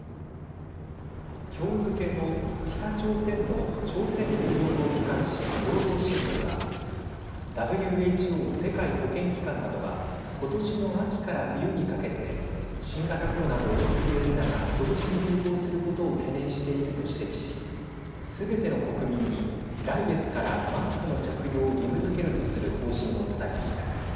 今日付けの北朝鮮の朝鮮労働党機関紙、労働新聞はＷＨＯ＝世界保健機関などは今年の秋から冬にかけて新型コロナとインフルエンザが同時に流行することを懸念していると指摘しすべての国民に、来月からマスクの着用を義務づけるとする方針を伝えました。